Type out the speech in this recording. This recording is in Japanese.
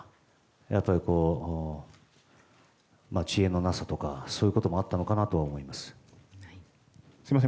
やっぱり知恵のなさとかそういうこともあったのかもしれません。